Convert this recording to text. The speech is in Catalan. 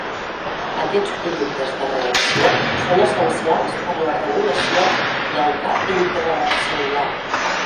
Aquests productes de reacció són essencials per a la regulació del Ca intracel·lular.